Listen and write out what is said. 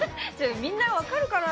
みんな分かるかな？